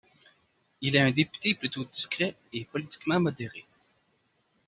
Il est un député plutôt discret et politiquement modéré.